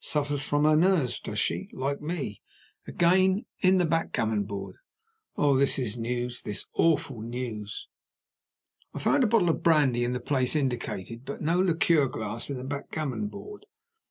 Suffers from her nerves, does she? Like me, again. In the backgammon board. Oh, this news, this awful news!" I found the bottle of brandy in the place indicated, but no liqueur glass in the backgammon board.